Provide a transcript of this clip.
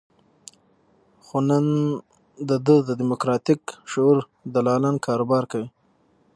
خو نن د ده د دیموکراتیک شعور دلالان کاروبار کوي.